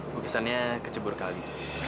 lukisannya kecebur kali